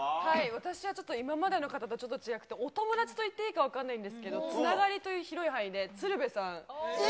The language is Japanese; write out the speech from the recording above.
私はちょっと今までの方とちょっとちがくて、お友達といっていいか分かんないですけど、つながりという広い範囲で、鶴瓶さんと。